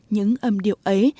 những âm điệu ấy